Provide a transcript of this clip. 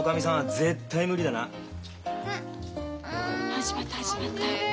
始まった始まった。